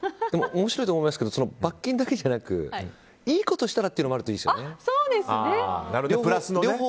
面白いと思うのは罰金だけでなくいいことしたらっていうのもあるといいですよね。